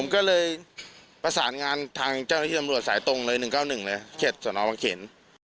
ก็เลยประสานงานทางเจ้าหน้าที่ตำรวจสายตรงเลย๑๙๑เลย๗สนบังเขน